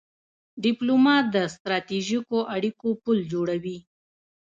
ډيپلومات د ستراتیژیکو اړیکو پل جوړوي.